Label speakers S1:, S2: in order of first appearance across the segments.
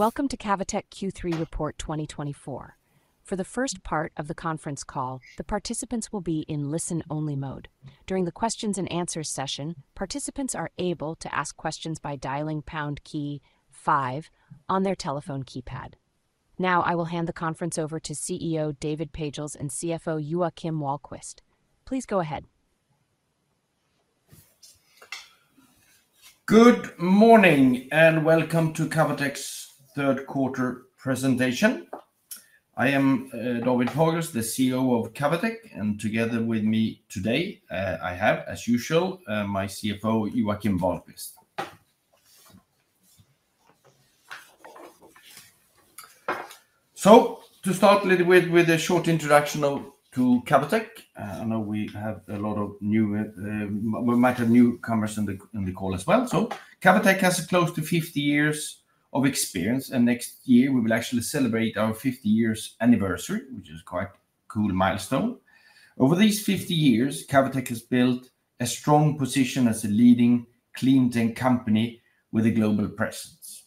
S1: Welcome to Cavotec Q3 Report 2024. For the first part of the conference call, the participants will be in listen only mode. During the questions and answers session, participants are able to ask questions by dialing pound key five on their telephone keypad. Now I will hand the conference over to CEO David Pagels and CFO Joakim Wahlqvist. Please go ahead.
S2: Good morning and welcome to Cavotec's third quarter presentation. I am David Pagels, the CEO of Cavotec, and together with me today I have, as usual, my CFO Joakim Wahlqvist. To start a little bit with a short introduction to Cavotec, I know we might have a lot of newcomers in the call as well. Cavotec has close to 50 years of experience, and next year we will actually celebrate our 50-year anniversary, which is quite cool milestone. Over these 50 years, Cavotec has built a strong position as a leading cleantech company with a global presence.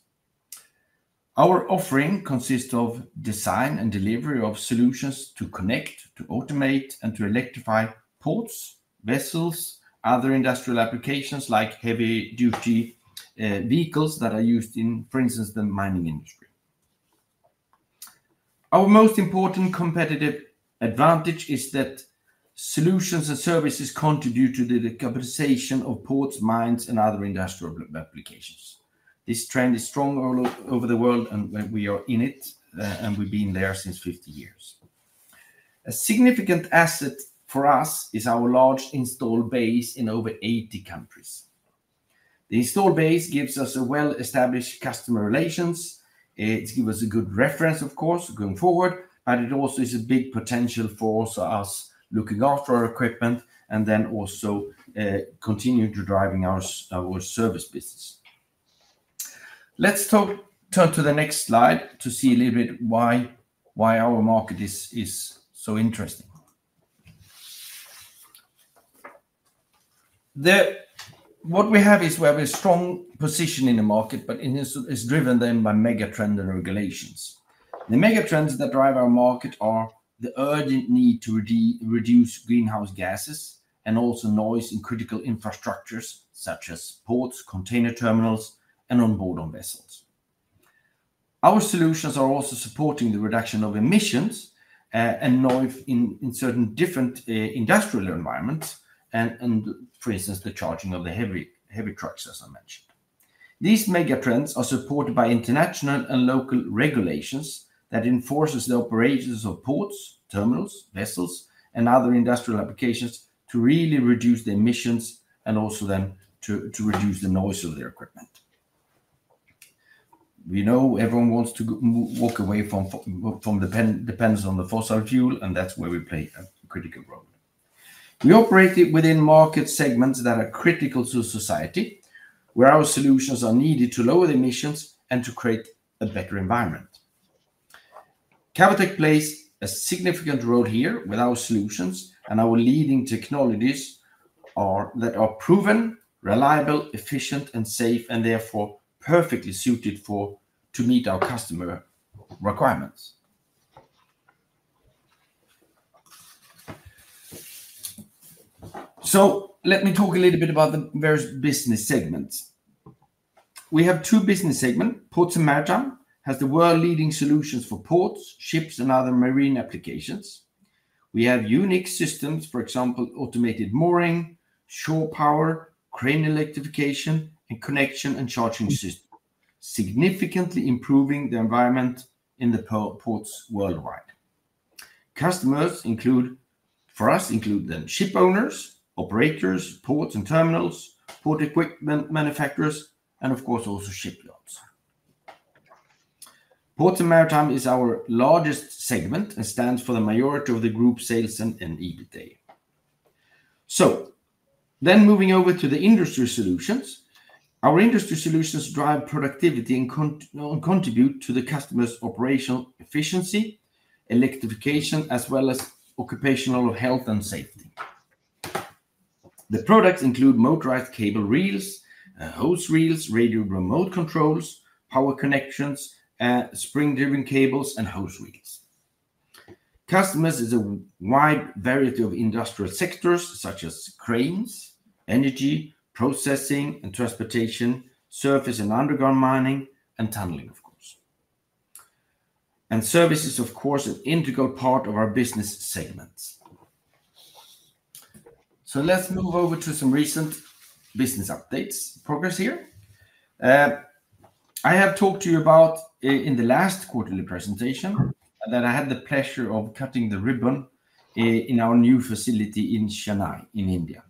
S2: Our offering consists of design and delivery of solutions to connect, to automate, and to electrify ports, vessels, other industrial applications like heavy-duty vehicles that are used in, for instance, the mining industry. Our most important competitive advantage is that solutions and services contribute to the decarbonization of ports, mines and other industrial applications. This trend is strong all over the world and when we are in it and we've been there since 50 years, a significant asset for us is our large install base in over 80 countries. The install base gives us a well established customer relations. It give us a good reference of course going forward but it also is a big potential for also us looking after our equipment and then also continuing to driving our service business. Let's turn to the next slide to see a little bit why our market is so interesting. What we have is we have a strong position in the market but in this is driven then by megatrend and regulations. The megatrends that drive our market are the urgent need to reduce greenhouse gases and also noise in critical infrastructures such as ports, container terminals and onboard vessels. Our solutions are also supporting the reduction of emissions and noise in certain different industrial environments and for instance the charging of the heavy trucks. As I mentioned, these megatrends are supported by international and local regulations that enforces the operations of ports, terminals, vessels and other industrial applications to really reduce the emissions and also then to reduce the noise of their equipment. We know everyone wants to walk away from the dependence on the fossil fuel and that's where we play a critical role. We operate within market segments that are critical to society where our solutions are needed to lower the emissions and to create a better environment. Cavotec plays a significant role here with our solutions and our leading technologies that are proven reliable, efficient and safe and therefore perfectly suited to meet our customer requirements. Let me talk a little bit about the various business segments we have. Two business segments. Ports & Maritime has the world-leading solutions for ports, ships and other marine applications. We have unique systems, e.g., automated mooring, shore power, crane electrification and connection and charging systems significantly improving the environment in the ports worldwide. Customers include for us the ship owners, operators, ports and terminals, port equipment manufacturers and of course also shipyards. Ports and Maritime is our largest segment and stands for the majority of the group sales and EBITDA. Then moving over to the industry solutions. Our industry solutions drive productivity and contribute to the customer's operational efficiency, electrification as well as occupational health and safety. The products include motorized cable reels, hose reels, radio remote controls, power connections, spring driven cables and hose reels. Customers is a wide variety of industrial sectors such as cranes, energy processing and transportation, surface and underground mining and tunneling, of course, and service is, of course, an integral part of our business segments. So let's move over to some recent business updates progress here. I have talked to you about in the last quarterly presentation that I had the pleasure of cutting the ribbon in our new facility in Chennai in India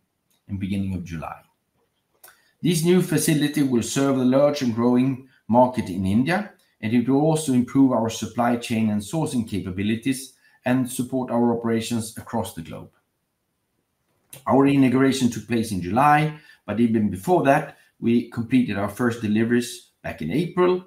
S2: in beginning of July. This new facility will serve the large and growing market in India and it will also improve our supply chain and sourcing capabilities and support our operations across the globe. Our integration took place in July, but even before that we completed our first deliveries back in April,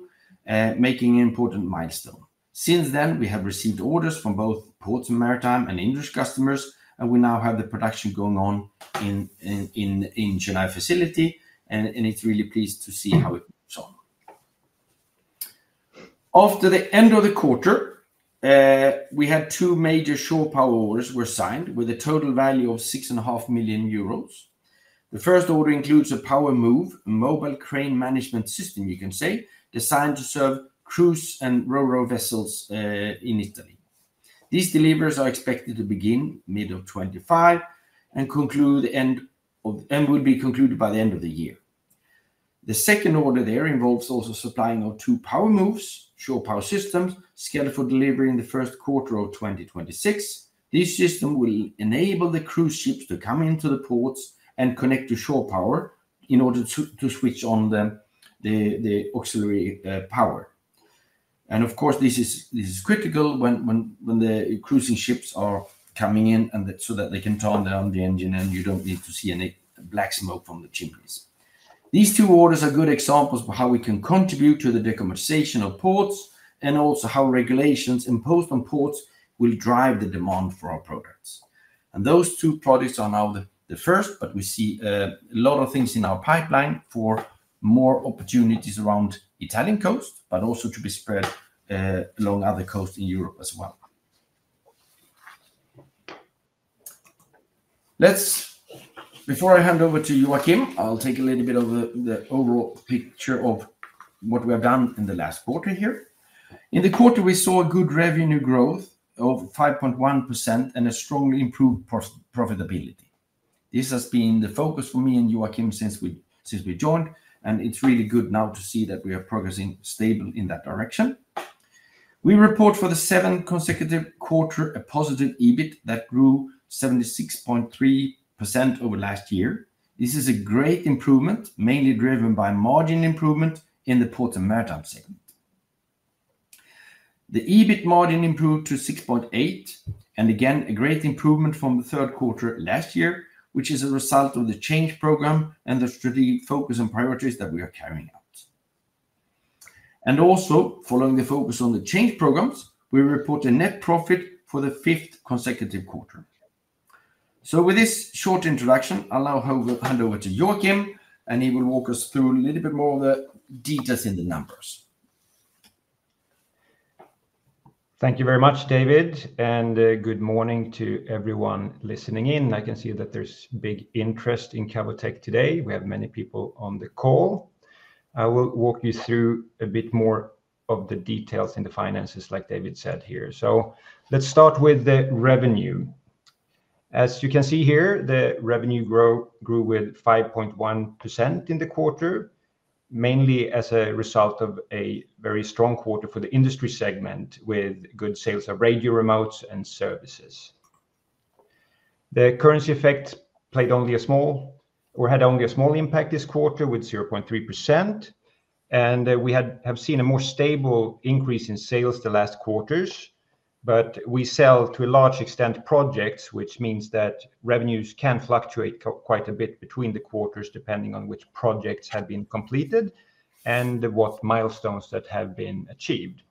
S2: making an important milestone. Since then we have received orders from both ports and maritime and Industry customers and we now have the production going on in Chennai facility and it's really pleased to see how it's on. After the end of the quarter we had two major shore power orders were signed with a total value of 6.5 million euros. The first order includes a PowerMove mobile crane management system, you can say designed to serve cruise and RoRo vessels in Italy. These deliveries are expected to begin mid-2025 and conclude by the end of the year. The second order there involves also supplying of two PowerMove shore power systems scheduled for delivery in the first quarter of 2026. This system will enable the cruise ships to come into the ports and connect to shore power in order to switch on then the auxiliary power and of course this is. This is critical when the cruising ships are coming in so that they can turn down the engine and you don't need to see any black smoke from the chimneys. These two orders are good examples of how we can contribute to the decarbonization of ports and also how regulations imposed on ports will drive the demand for our products. Those two projects are now the first. We see a lot of things in our pipeline for more opportunities around the Italian coast, but also to be spread along other coasts in Europe as well.
S3: Fine.
S2: Before I hand over to you, Joakim, I'll take a little bit of the overall picture of what we have done in the last quarter here. In the quarter we saw a good revenue growth of 5.1% and a strong improved profitability. This has been the focus for me and Joakim since we joined, and it's really good now to see that we are progressing stable in that direction. We report for the seventh consecutive quarter a positive EBIT that grew 76.3% over last year. This is a great improvement, mainly driven by margin improvement in the ports and maritime segment. The EBIT margin improved to 6.8% and again a great improvement from the third quarter last year, which is a result of the change program and the strategic focus and priorities that we are carrying out. And also following the focus on the change programs, we report a net profit for the fifth consecutive quarter. So with this short introduction, I'll now hand over to Joakim and he will walk us through a little bit more of the details in the numbers.
S3: Thank you very much, David, and good morning to everyone listening in. I can see that there's big interest in Cavotec today. We have many people on the call. I will walk you through a bit more of the details in the finances, like David said here. Let's start with the revenue. As you can see here, the revenue grew with 5.1% in the quarter, mainly as a result of a very strong quarter for the Industry segment with good sales of radio remotes and services. The currency effect played only a small or had only a small impact this quarter with 0.3%. We have seen a more stable increase in sales the last quarters. But we sell to a large extent projects, which means that revenues can fluctuate quite a bit between the quarters, depending on which projects have been completed and what milestones that have been achieved.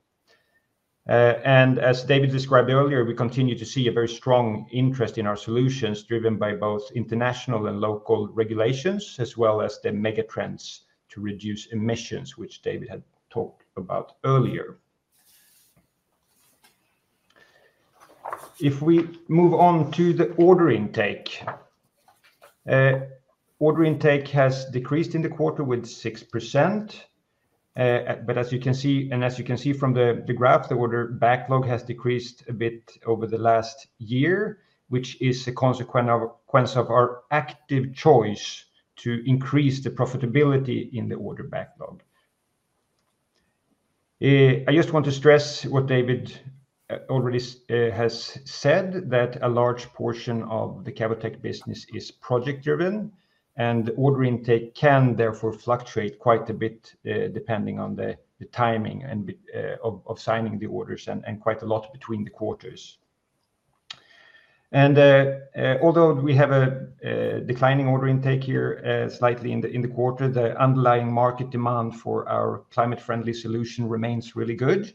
S3: And as David described earlier, we continue to see a very strong interest in our solutions driven by both international and local regulations as well as the megatrends to reduce emissions which David had talked about earlier. If we move on to the order intake, order intake has decreased in the quarter with 6%, but as you can see from the graph, the order backlog has decreased a bit over the last year, which is a consequence of our active choice to increase the profitability in the order backlog. I just want to stress what David already has said that a large portion of the Cavotec business is project driven and order intake can therefore fluctuate quite a bit depending on the timing of signing the orders and quite a lot between the quarters. And although we have a declining order intake here slightly in the quarter, the underlying market demand for our climate friendly solution remains really good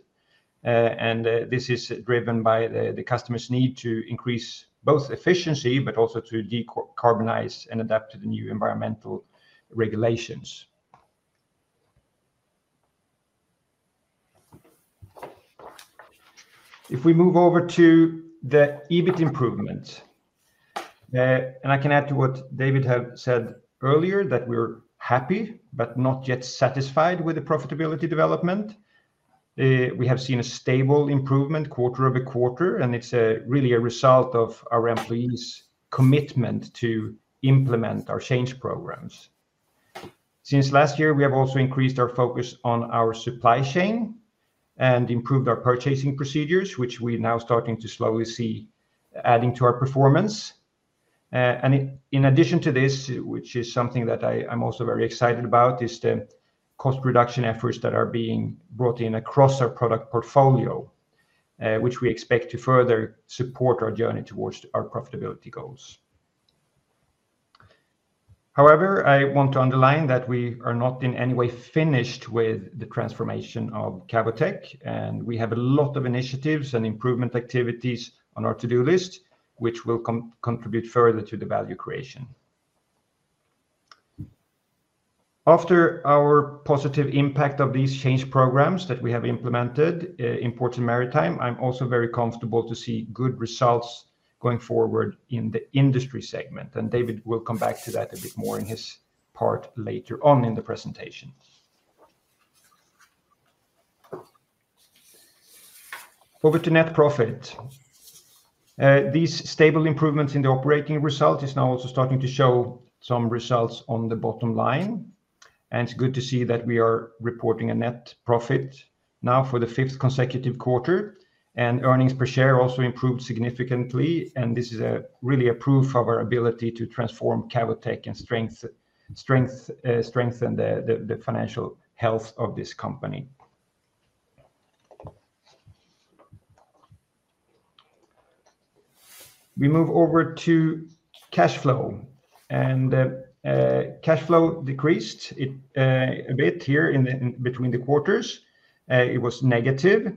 S3: and this is driven by the customers need to increase both efficiency but also to decarbonize and adapt to the new environmental regulations. If we move over to the EBIT improvement and I can add to what David had said earlier that we're happy but not yet satisfied with the profitability development. We have seen a stable improvement quarter over quarter and it's really a result of our employees commitment to implement our change programs since last year. We have also increased our focus on our supply chain and improved our purchasing procedures which we're now starting to slowly see adding to our performance. And in addition to this, which is something that I'm also very excited about, is the cost reduction efforts that are being brought in across our product portfolio which we expect to further support our journey towards our profitability goals. However, I want to underline that we are not in any way finished with the transformation of Cavotec and we have a lot of initiatives and improvement activities on our to-do list which will contribute further to the value creation. After our positive impact of these change programs that we have implemented in Ports & Maritime, I'm also very comfortable to see good results going forward in the Industry segment and David will come back to that a bit more in his part later on in the presentation. Over to net profit, these stable improvements in the operating result is now also starting to show some results on the bottom line and it's good to see that we are reporting a net profit now for the fifth consecutive quarter and earnings per share also improved significantly and this is a really a proof of our ability to transform Cavotec and strengthen the financial health of this company. We move over to cash flow and cash flow decreased a bit here in between the quarters. It was negative.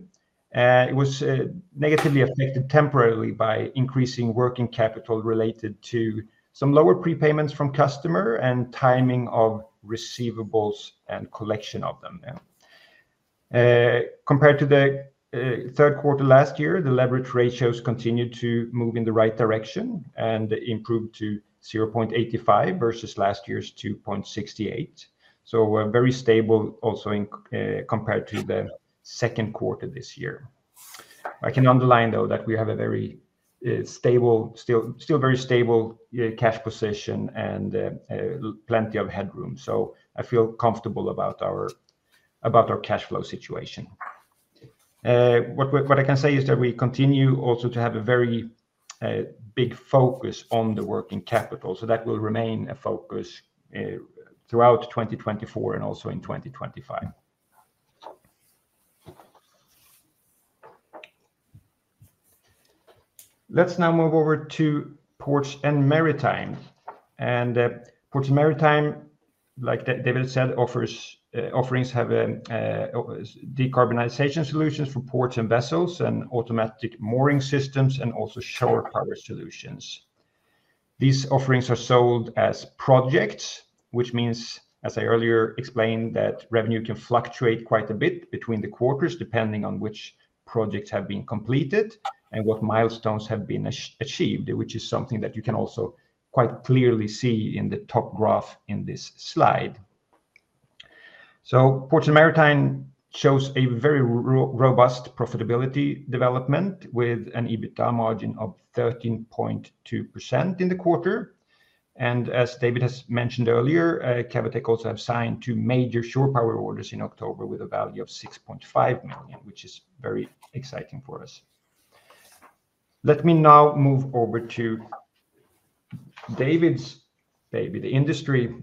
S3: It was negatively affected temporarily by increasing working capital related to some lower prepayments from customer and timing of receivables and collection of them compared to the third quarter last year. The leverage ratios continued to move in the right direction and improved to 0.85 versus last year's 2.68, so very stable also compared to the second quarter this year. I can underline though that we have a very stable, still very stable cash position and plenty of headroom, so I feel comfortable about our cash flow situation. What I can say is that we continue also to have a very big focus on the working capital, so that will remain a focus throughout 2024 and also in 2025. Let's now move over to Ports and Maritime. Ports & Maritime, like David said, offers offerings, have decarbonization solutions for ports and vessels and automatic mooring systems and also shore power solutions. These offerings are sold as projects, which means, as I earlier explained, that revenue can fluctuate quite a bit between the quarters depending on which projects have been completed and what milestones have been achieved, which is something that you can also quite clearly see in the top graph in this slide. Ports & Maritime shows a very robust profitability development with an EBITDA margin of 13.2% in the quarter. As David has mentioned earlier, Cavotec also have signed two major shore power orders in October with a value of 6.5 million, which is very exciting for us. Let me now move over to David's baby, the Industry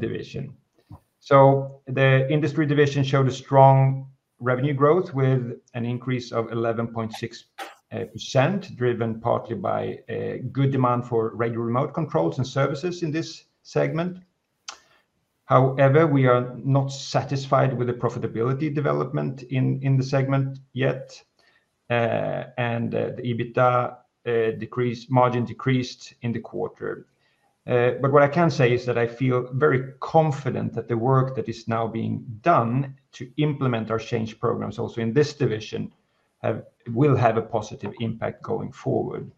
S3: division. So the Industry division showed a strong revenue growth with an increase of 11.6% driven partly by a good demand for radio remote controls and services in this segment. However, we are not satisfied with the profitability development in the segment yet and the EBITDA margin decreased in the quarter. But what I can say is that I feel very confident that the work that is now being done to implement our change programs also in this division will have a positive impact going forward.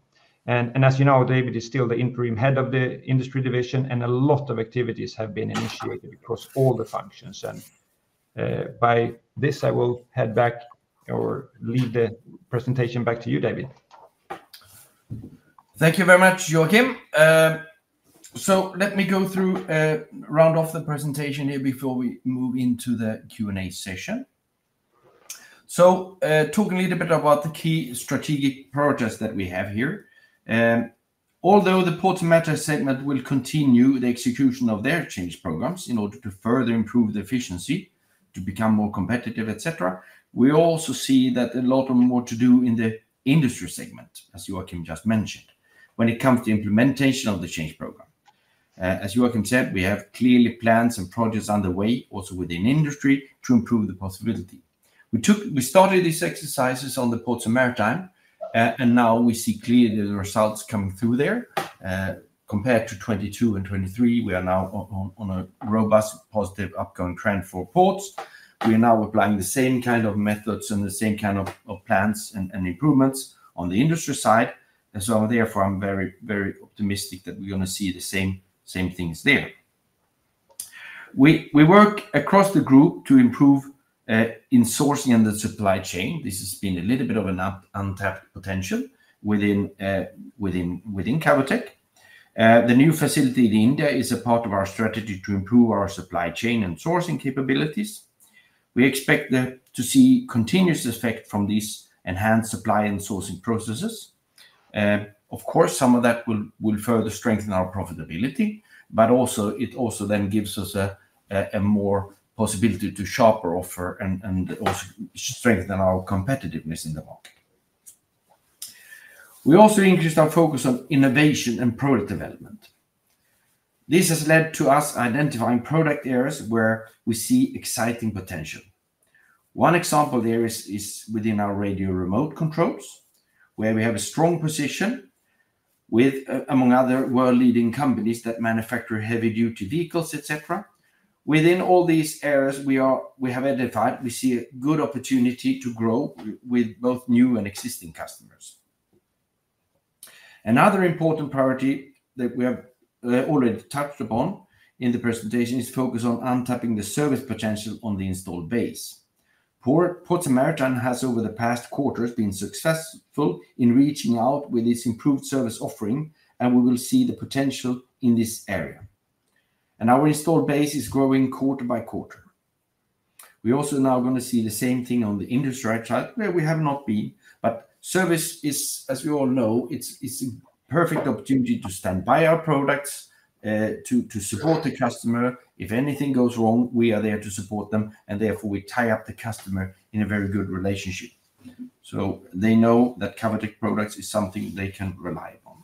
S3: And as you know, David is still the interim head of the Industry division and a lot of activities have been initiated across all the functions. And by this I will hand back or leave the presentation back to you, David.
S2: Thank you very much Joakim. So let me go through round off the presentation here before we move into the Q&A session. So talking a little bit about the key strategic projects that we have here. Although the Ports & Maritime segment will continue the execution of their change programs in order to further improve the efficiency, to become more competitive, etc. We also see that a lot more to do in the Industry segment, as Joakim just mentioned, when it comes to implementation of the change program, as Joakim said, we have clearly plans and projects underway also within Industry to improve the possibility. We started these exercises on the Ports & Maritime and now we see clearly the results coming through there compared to 2022 and 2023. We are now on a robust positive upcoming trend for ports. We are now applying the same kind of methods and the same kind of plans and improvements on the industry side, and so therefore I'm very very optimistic that we're going to see the same same things there. We work across the group to improve in sourcing and the supply chain. This has been a little bit of an untapped potential within Cavotec. The new facility in India is a part of our strategy to improve our supply chain and sourcing capabilities. We expect to see continuous effect from these enhanced supply and sourcing processes. Of course some of that will further strengthen our profitability, but also it also then gives us a more possibility to sharper offer and also strengthen our competitiveness in the market. We also increased our focus on innovation and product development. This has led to us identifying product areas where we see exciting potential. One example there is within our radio remote controls where we have a strong position with, among other, world leading companies that manufacture heavy duty vehicles etc. Within all these areas we have identified, we see a good opportunity to grow with both new and existing customers. Another important priority that we have already touched upon in the presentation is focus on unlocking the service potential on the installed base in Ports. Cavotec has over the past quarters been successful in reaching out with its improved service offering, and we will see the potential in this area, and our installed base is growing quarter by quarter. We also now going to see the same thing on the industry side where we have not been but service is. As we all know, it's a perfect opportunity to stand by our products to support the customer. If anything goes wrong, we are there to support them. Therefore we tie up the customer in a very good relationship. So they know that Cavotec products is something they can rely upon.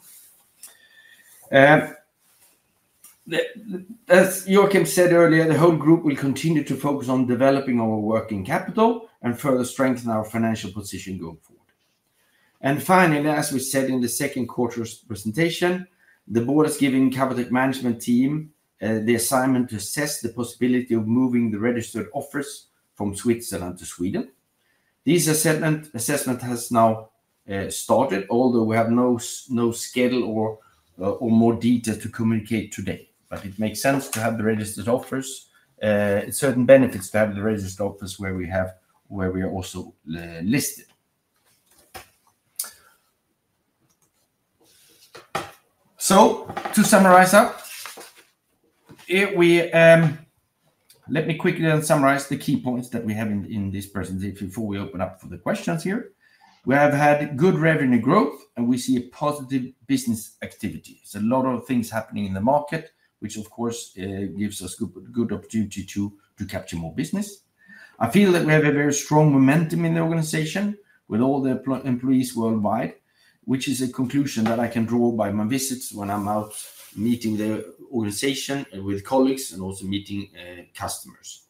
S2: As Joakim said earlier, the whole group will continue to focus on developing our working capital and further strengthen our financial position going forward. Finally, as we said in the second quarter's presentation, the board is giving Cavotec management team the assignment to assess the possibility of moving the registered office from Switzerland to Sweden. This assessment has now started. Although we have no schedule or more detail to communicate today. It makes sense to have the registered office. Certain benefits to have the registered office where we are also listed. Let me quickly summarize the key points that we have in this presentation before we open up for the questions here. We have had good revenue growth and we see a positive business activity. It's a lot of things happening in the market which of course gives us a good opportunity to capture more business. I feel that we have a very strong momentum in the organization with all the employees worldwide which is a conclusion that I can draw by my visits when I'm out meeting the organization with colleagues and also meeting customers.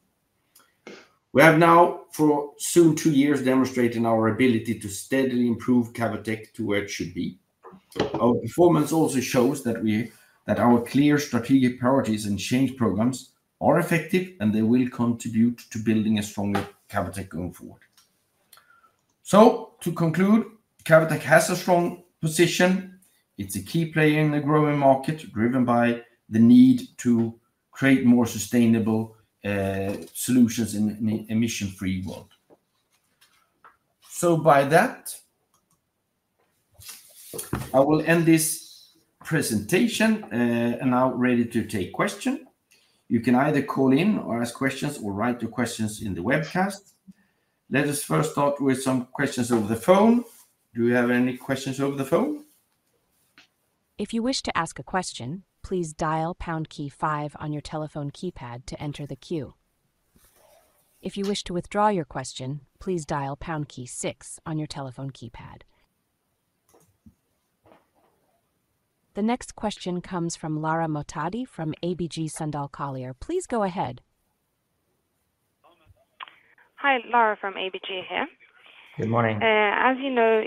S2: We have now for soon two years demonstrated our ability to steadily improve Cavotec to where it should be. Our performance also shows that our clear strategic priorities and change programs are effective and they will contribute to building a stronger Cavotec going forward. To conclude, Cavotec has a strong position. It's a key player in the growing market driven by the need to create more sustainable solutions in an emission-free world. By that, I will end this presentation and now ready to take questions. You can either call in or ask questions or write your questions in the webcast. Let us first start with some questions over the phone. Do you have any questions over the phone?
S1: If you wish to ask a question, please dial pound key five on your telephone keypad to enter the queue. If you wish to withdraw your question, please dial pound key six on your telephone keypad. The next question comes from Lara Mohtadi from ABG Sundal Collier. Please go ahead.
S4: Hi, Lara from ABG here.
S3: Good morning.
S4: As you know.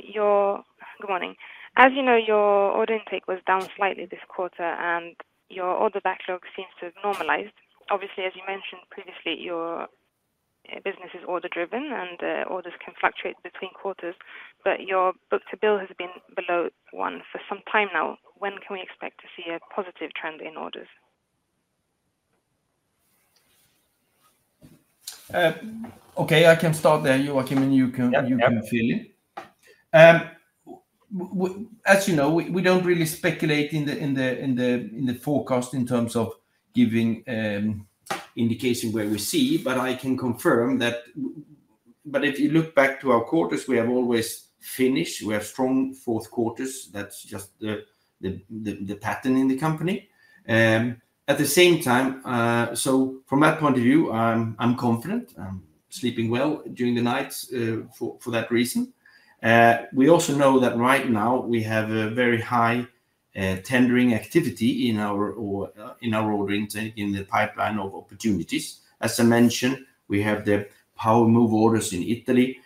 S4: Good morning. As you know your order intake was down slightly this quarter and your order backlog seems to have normalized. Obviously as you mentioned previously, your business is order driven and orders can fluctuate between quarters, but your book-to-bill has been below one for some time now. When can we expect to see a positive trend in orders?
S2: Okay, I can start there. Joakim, you can feel it. As you know, we don't really speculate in the forecast in terms of giving indication where we see, but I can confirm that. But if you look back to our quarters, we have always finished. We have strong fourth quarters. That's just the pattern in the company at the same time. So from that point of view, I'm confident sleeping well during the nights for that reason. We also know that right now we have a very high tendering activity in our order intake in the pipeline of opportunities. As I mentioned, we have the PowerMove orders in Italy.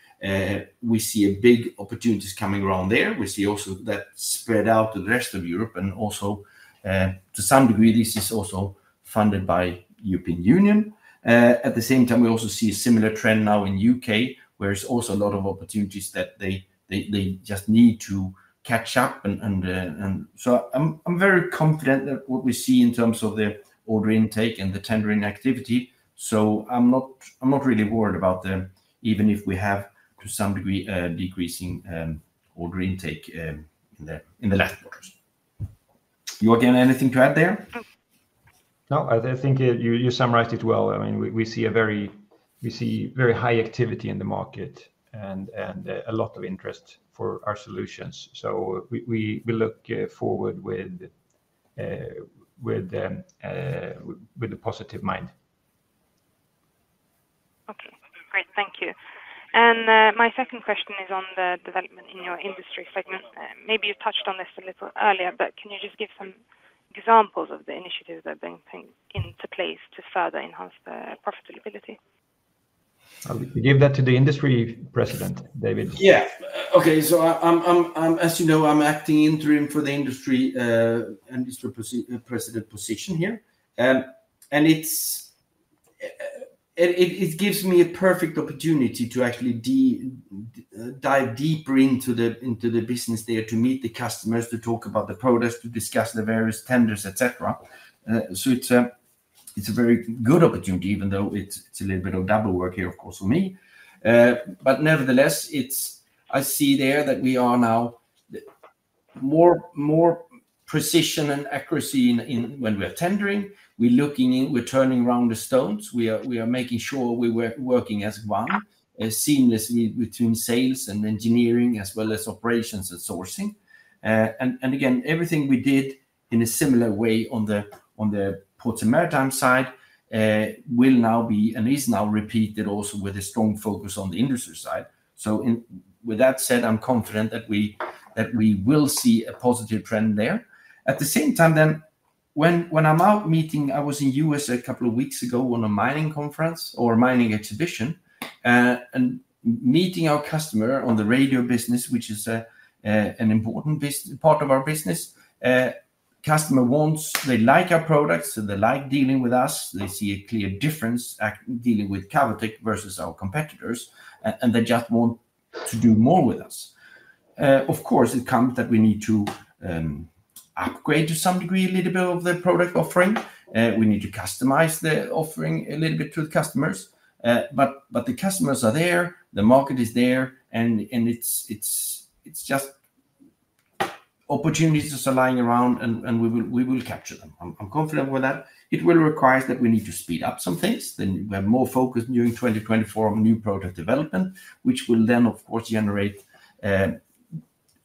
S2: We see a big opportunities coming around there. We see also that spread out to the rest of Europe and also to some degree. This is also funded by European Union. At the same time we also see a similar trend now in U.K. where it's also a lot of opportunities that they just need to catch up. And so I'm very confident that what we see in terms of the order intake and the tendering activity. So I'm not really worried about them even if we have to some degree decreasing order intake in the last quarters. Joakim, anything to add there?
S3: No, I think you summarized it well. I mean we see very high activity in the market and a lot of interest for our solutions. So we look forward with a positive mind.
S4: Okay, great, thank you. And my second question is on the development in your industry segment. Maybe you touched on this a little bit earlier, but can you just give some examples of the initiatives that bring into place to further enhance the profitability?
S3: Give that to the Industry president, David.
S2: Yeah, okay. So as you know, I'm acting interim for the Industry and president position here, and it gives me a perfect opportunity to actually dive deeper into the business there, to meet the customers, to talk about the products, to discuss the various tenders, etc. So it's a very good opportunity even though it's a little bit of double work here, of course, for me. But nevertheless, I see there that we are now more precision and accuracy in when we're tendering. We're looking; we're turning over the stones. We are making sure we were working as one seamlessly between sales and engineering, as well as operations and sourcing. And again everything we did in a similar way on the ports and maritime side will now be and is now repeated also with a strong focus on the industry side. So with that said, I'm confident that we will see a positive trend there. At the same time then when I'm out meeting, I was in U.S. a couple of weeks ago on a mining conference or mining exhibition and meeting our customer on the radio business, which is an important part of our business. Customer wants, they like our products and they like dealing with us. They see a clear difference dealing with Cavotec versus our competitors and they just want to do more with us. Of course it comes that we need to upgrade to some degree a little bit of the product offering. We need to customize the offering a little bit to the customers. But the customers are there, the market is there, and it's just opportunities are lying around and we will capture them. I'm confident with that. It will require that we need to speed up some things. Then we have more focus during 2024 of new product development which will then of course generate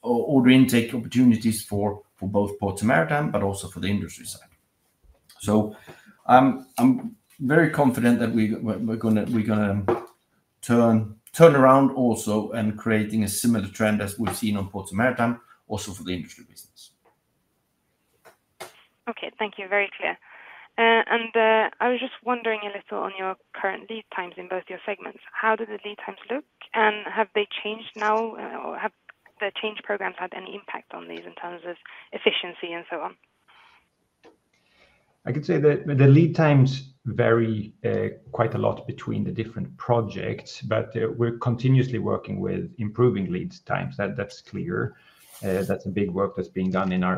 S2: order intake opportunities for both Ports & Maritime, but also for the industry side. So I'm very confident that we're going to turn around also and creating a similar trend as we've seen on Ports & Maritime also for the Industry business.
S4: Okay, thank you. Very clear and I was just wondering a little on your current lead times in both your segments. How do the lead times look and have they changed now or have the change programs had any impact on these in terms of efficiency and so on?
S3: I could say that the lead times vary quite a lot between the different projects, but we're continuously working with improving lead times. That's clear. That's a big work that's being done in our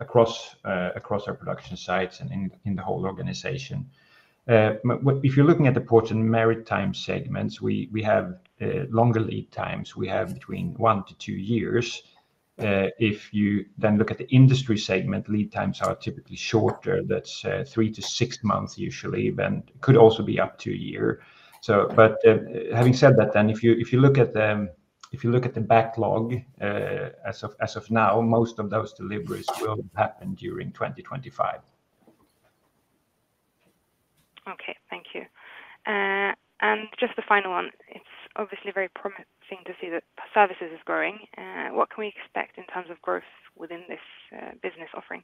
S3: across our production sites and in the whole organization. If you're looking at the Ports and Maritime segments, we have longer lead times, we have between one to two years, and if you then look at the Industry segment, lead times are typically shorter. That's three to six months usually and could also be up to a year, but having said that, then if you look at the backlog as of now, most of those deliveries will happen during 2025.
S4: Okay, thank you. And just the final one, it's obviously very promising. We seem to see that services is growing. What can we expect in terms of growth within this business offering?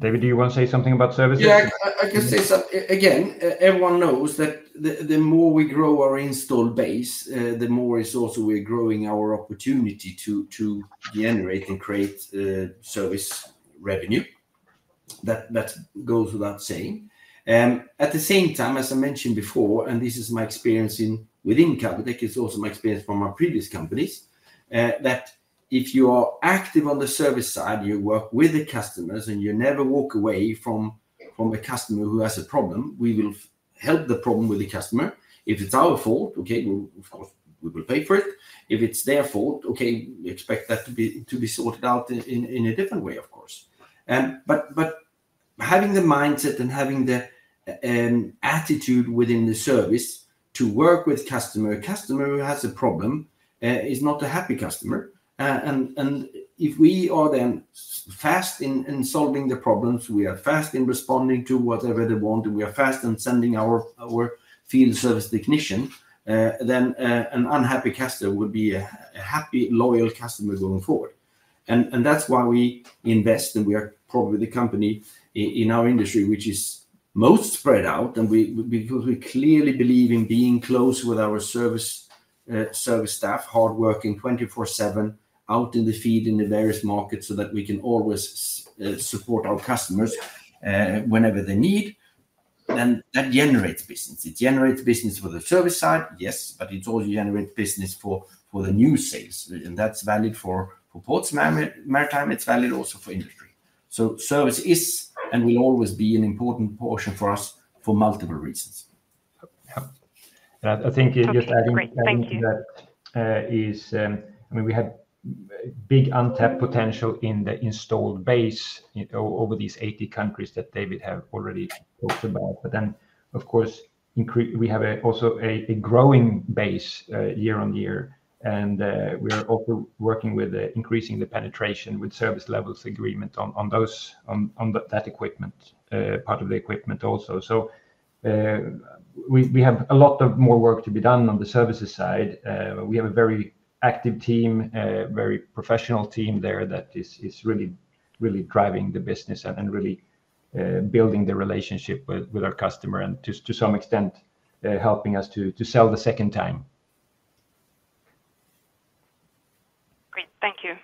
S3: David, do you want to say something about Services?
S2: Yeah, I can say something again. Everyone knows that the more we grow our install base, the more is also we're growing our opportunity to generate and create service revenue. That goes without saying. At the same time, as I mentioned before and this is my experience within Cavotec, it's also my experience from our previous companies that if you are active on the service side, you work with the customers and you never walk away from a customer who has a problem. We will help the problem with the customer if it's our fault, okay. Of course we will pay for it if it's their fault, okay. We expect that to be sorted out in a different way, of course. But having the mindset and having the attitude within the service to work with customer. Customer who has a problem is not a happy customer. And if we are then fast in solving the problems, we are fast in responding to whatever they want and we are fast in sending our field service technician, then an unhappy customer would be a happy loyal customer going forward. And that's why we invest and we are probably the company in our industry which is most spread out because we clearly believe in being close with our service staff hard-working 24/7 out in the field in the various markets so that we can always support our customers whenever they need. Then that generates business. It generates business for the service side. Yes, but it also generates business for the new sales. And that's valid for ports, maritime. It's valid also for industry. So service is and will always be an important portion for us for multiple reasons.
S3: I think that is. I mean, we have big untapped potential in the installed base over these 80 countries that David have already talked about. But then, of course, increase. We have also a growing base year on year, and we are also working with increasing the penetration with service levels agreement on those that equipment part also. So we have a lot of more work to be done on the services side. We have a very active team, very professional team there that is really driving the business and really building the relationship with our customer and to some extent helping us to sell the second time.
S4: Great, thank you.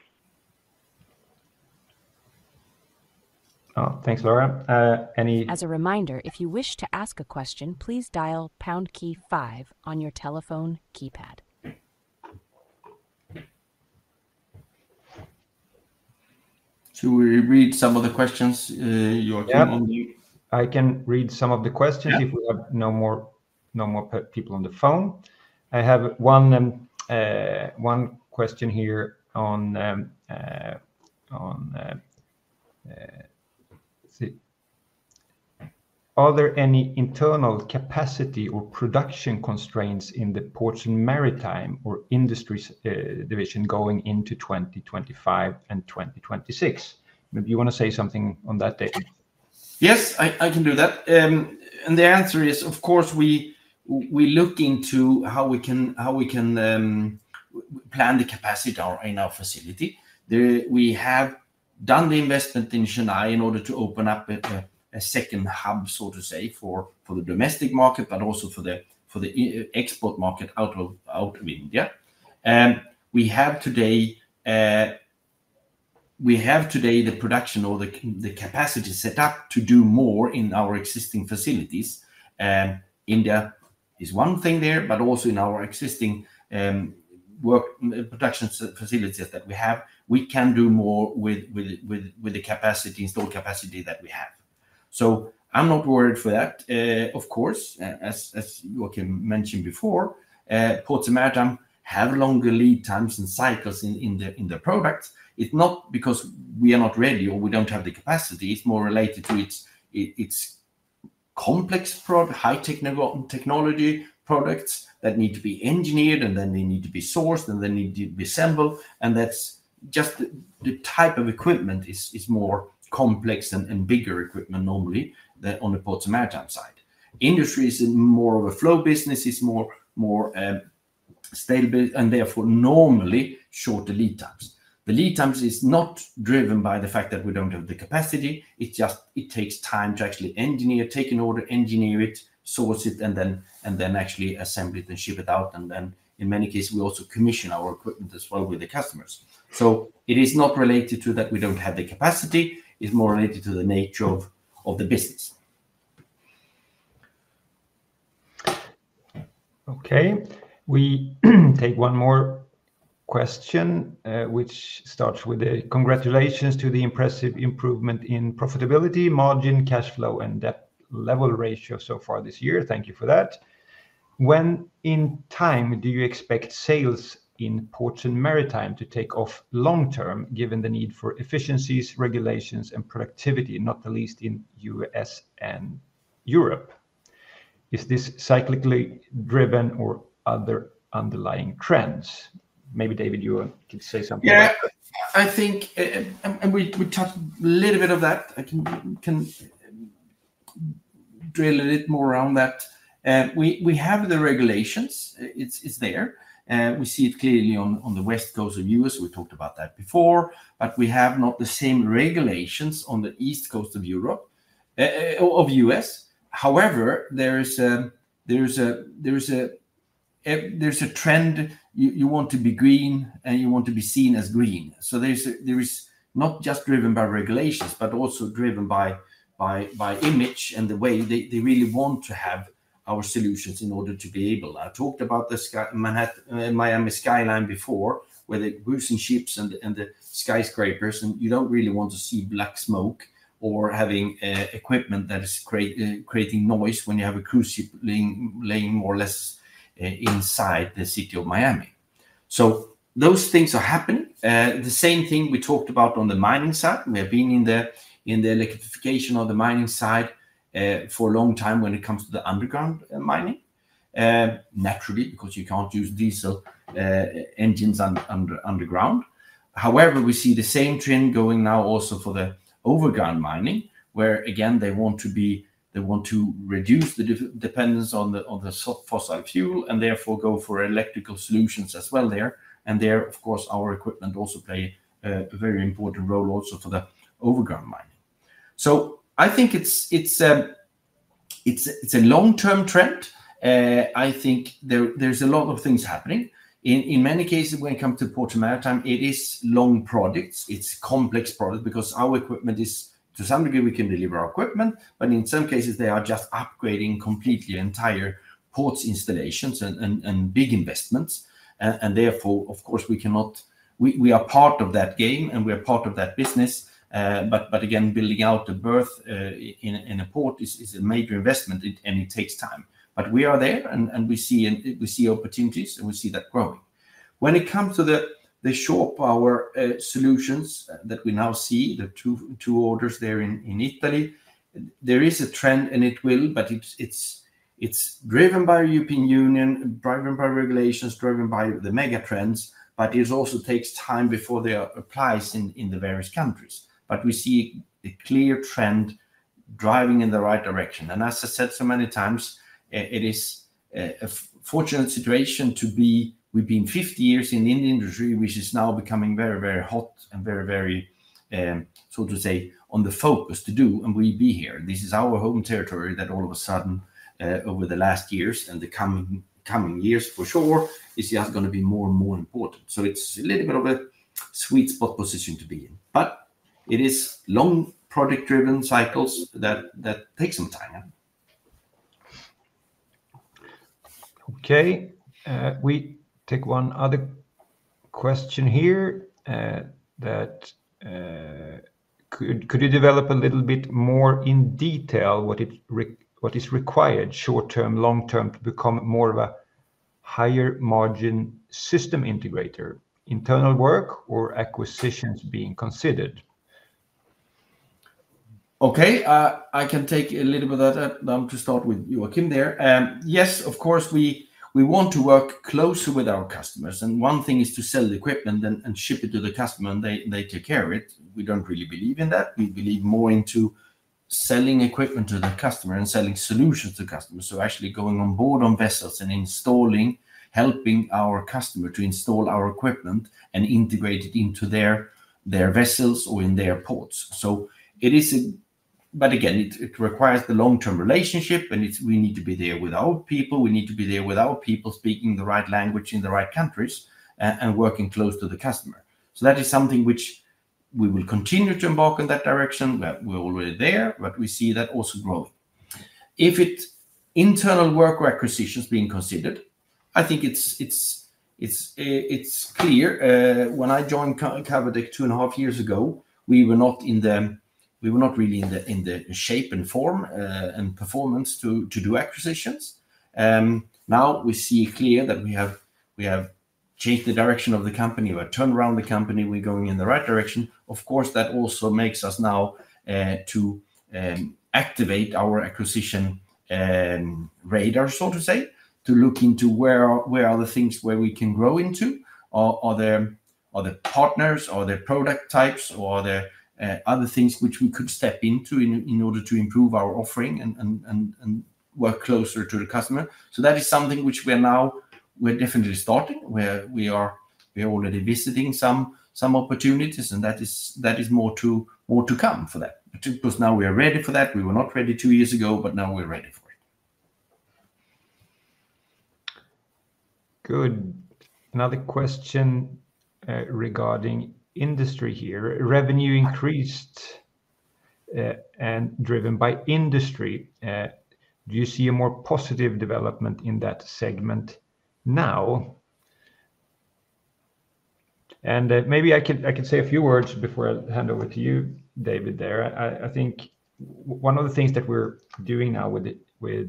S3: Thanks Laura.
S1: As a reminder, if you wish to ask a question please dial pound key five on your telephone keypad.
S2: Should we read some of the questions?
S3: I can read some of the questions if we have no more people on the phone. I have one question here on. Are there any internal capacity or production constraints in the Ports & Maritime or Industry division going into 2025 and 2026? Maybe you want to say something on that, David.
S2: Yes, I can do that. And the answer is of course we look into how we can plan the capacity in our facility. We have done the investment in Chennai in order to open up a second hub so to say for the domestic market but also for the export market out of India. We have today the production or the capacity set up to do more in our existing facilities. India is one thing there but also in our existing production facilities that we have we can do more with the capacity installed capacity that we have. So I'm not worried for that. Of course as Joakim mentioned before, Ports & Maritime have longer lead times and cycles in their products. It's not because we are not ready or we don't have the capacity. It's more related to its complex product, high technical technology products that need to be engineered and then they need to be sourced and they need to be assembled and that's just the type of equipment is more complex and bigger equipment normally than on the Ports and Maritime side. Industry is more of a flow, business is more stable and therefore normally shorter lead times. The lead times is not driven by the fact that we don't have the capacity. It's just it takes time to actually engineer, take an order, engineer it, source it and then, and then actually assemble it and ship it out. And then in many cases we also commission our equipment as well with the customers. So it is not related to that we don't have the capacity. It is more related to the nature of the business.
S3: Okay, we take one more question which starts with a Congratulations to the impressive improvement in profitability, margin, cash flow and debt level ratio so far this year. Thank you for that. When in time do you expect sales in ports and maritime to take off long term? Given the need for efficiencies, regulations and productivity, not the least in U.S. and Europe. Is this cyclically driven or other underlying trends? Maybe David, you can say something.
S2: Yeah, I think and we touched a little bit of that. I can drill a little more around that. We have the regulations. It's there. We see it clearly on the west coast of the U.S. We talked about that before but we have not the same regulations on the east coast or Europe or the U.S. However, there is a trend. You want to be green and you want to be seen as green. So there's not just driven by regulations but also driven by image and the way they really want to have our solutions in order to be able. I talked about the skyline Manhattan Miami skyline before where the cruising ships and the skyscrapers and you don't really want to see black smoke or having equipment that is Creating noise when you have a cruise ship laying more or less inside the city of Miami. So those things are happening. The same thing we talked about on the mining side. We have been in the electrification on the mining side for a long time when it comes to the underground mining naturally because you can't use diesel engines underground. However, we see the same trend going now also for the overground mining where again they want to be. They want to reduce the dependence on the fossil fuel and therefore go for electrical solutions as well there. Of course our equipment also play a very important role also for the overground mining. So I think it's a long term trend. I think there's a lot of things happening in many cases when it comes to Ports & Maritime. It is long products. It's complex product because our equipment is to some degree we can deliver our equipment, but in some cases they are just upgrading completely entire ports installations and big investments. Therefore of course we are part of that game and we are part of that business. But again, building out the berth in a port is a major investment and it takes time. But we are there and we see opportunities and we see that growing when it comes to the shore power solutions that we now see the two orders there in Italy. There is a trend and it will. But it's driven by European Union, driven by regulations, driven by the megatrends. But it also takes time before the applies in the various countries. But we see a clear trend driving in the right direction. And as I said so many times, it is a fortunate situation to be. We've been 50 years in the industry, which is now becoming very, very hot and very, very so to say on the focus to do. And we be here. This is our home territory that all of a sudden over the last years and the coming years for sure is just going to be more and more important. So it's a little bit of a sweet spot position to be in, but it is long project driven cycles that take some time.
S3: Okay, we take one other question here that could. Could you develop a little bit more in detail what is required short term, long term to become more of a higher margin system integrator, internal work or acquisitions being considered?
S2: Okay, I can take a little bit of that to start with Joakim there. Yes, of course we want to work closer with our customers, and one thing is to sell the equipment and ship it to the customer and they take care of it. We don't really believe in that. We believe more into selling equipment to the customer and selling solutions to customers, so actually going on board on vessels and installing, helping our customer to install our equipment and integrate it into their vessels or in their ports, so it is, but again it requires the long term relationship and we need to be there with our people. We need to be there with our people, speaking the right language in the right countries and working close to the customer, so that is something which we will continue to embark in that direction. We're already there, but we see that also growing if the internal work requisitions being considered. I think it's clear when I joined Cavotec two and a half years ago, we were not really in the shape and form and performance to do acquisitions. Now we see clearly that we have changed the direction of the company and turned around the company. We're going in the right direction. Of course that also makes us now to activate our acquisition radar, so to say, to look into where are the things where we can grow into or the other partners or their product types or the other things which we could step into in order to improve our offering and work closer to the customer. So that is something which we are now, we're definitely starting where we are. We are already visiting some opportunities and that is more to come for that because now we are ready for that. We were not ready two years ago, but now we're ready for it.
S3: Good. Another question regarding industry here. Revenue increased and driven by industry. Do you see a more positive development in that segment now? And maybe I could say a few words before I hand over to you, David, there. I think one of the things that we're doing now with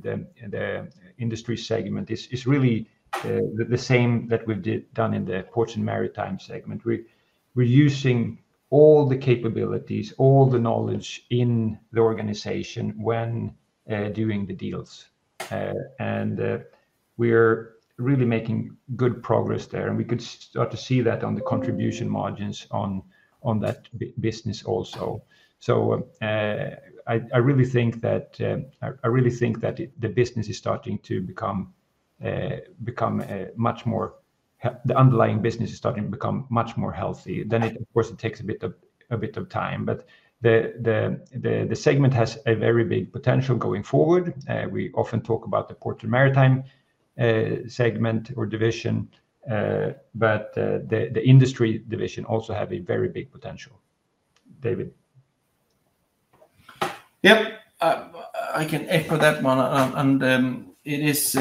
S3: the industry segment is really the same that we've done in the ports and maritime segment. We're using all the capabilities, all the knowledge in the organization when doing the deals and we're really making good progress there and we could start to see that on the contribution margins on that business also. So I really think that the business is starting to become a much more. The underlying business is starting to become much more healthy than it. Of course it takes a bit of time, but the segment has a very big potential going forward. We often talk about the Ports & Maritime segment or division, but the industry division also have a very big potential. David.
S2: Yep, I can echo that one and it is.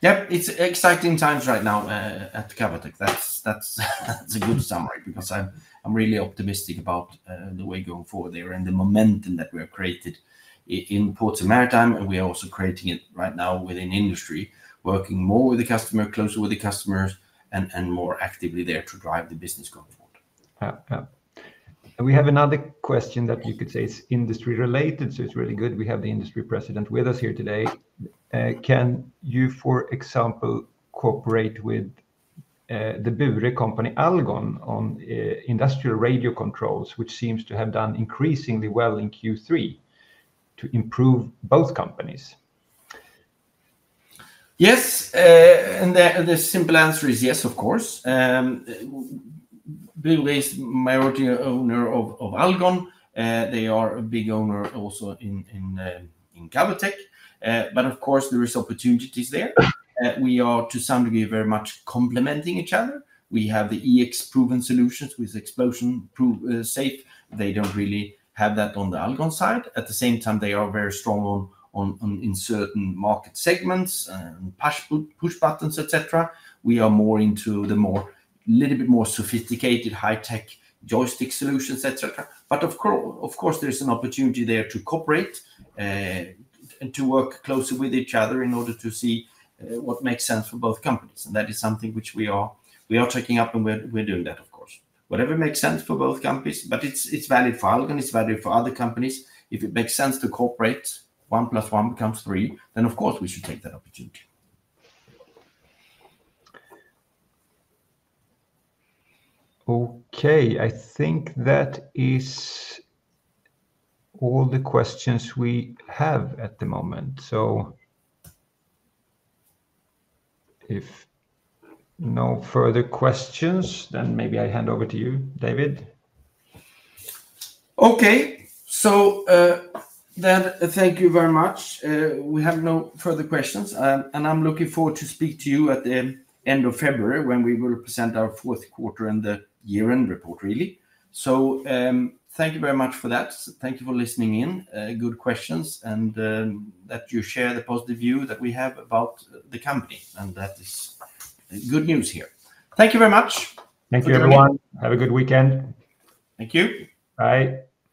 S2: Yep, it's exciting times right now at Cavotec. That's a good summary because I'm really optimistic about the way going forward there and the momentum that we have created in Ports & Maritime, and we are also creating it right now within Industry, working more with the customer, closer with the customers, and more actively there to drive the business going forward.
S3: We have another question that you could say is industry related. So it's really good. We have the industry president with us here today. Can you for example, cooperate with the Bure company Allgon on industrial radio controls which seems to have done increasingly well in Q3 to improve both companies?
S2: Yes. And the simple answer is yes, of course Bure is majority owner of Allgon. They are a big owner also in Cavotec. But of course there is opportunities there. We are to some degree very much complementing each other. We have the Ex-proven solutions with explosion-safe. They don't really have that on the Allgon side. At the same time they are very strong on in certain market segments push buttons etc we are more into a little bit more sophisticated high tech joystick solutions etc but of course there's an opportunity there to cooperate and to work closely with each other in order to see what makes sense for both companies and that is something which we are taking up and we're doing that of course whatever makes sense for both companies but it's valid for Allgon, it's valuable for other companies. If it makes sense to cooperate one plus one becomes three then of course we should take that opportunity.
S3: Okay, I think that is all the questions we have at the moment. So if no further questions, then maybe I hand over to you, David.
S2: Okay, so then, thank you very much. We have no further questions, and I'm looking forward to speak to you at the end of February when we will present our fourth quarter and the year-end report. Really. So thank you very much for that. Thank you for listening, good questions, and that you share the positive view that we have about the company, and that is good news here. Thank you very much.
S3: Thank you everyone. Have a good weekend. Thank you. Bye.